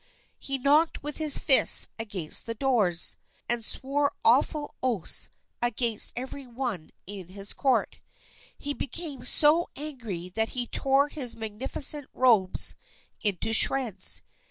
He knocked with his fists against the doors, and swore awful oaths against every one in his court. He became so angry that he tore his magnificent robes into shreds.